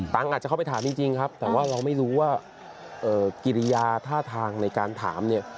อาจจะเข้าไปถามจริงครับแต่ว่าเราไม่รู้ว่ากิริยาท่าทางในการถามเนี่ย